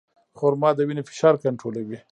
خرما د وینې فشار کنټرولوي.